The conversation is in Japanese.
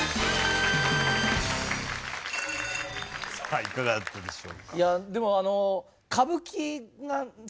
さあいかがだったでしょうか。